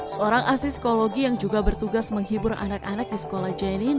seorang asiskologi yang juga bertugas menghibur anak anak di sekolah jenin